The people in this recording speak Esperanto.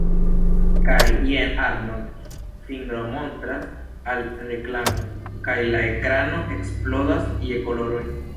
Kaj jen Arnold fingromontras al reklamo, kaj la ekrano eksplodas je koloroj.